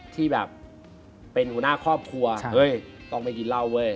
ที่แบบเป็นหัวหน้าครอบครัวเฮ้ยต้องไปกินเหล้าเว้ย